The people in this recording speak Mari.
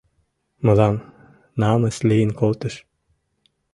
Мылам намыс лийын колтыш.